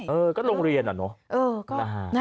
เออก็โรงเรียนอะเนาะ